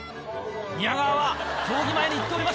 宮川は競技前に言っておりました。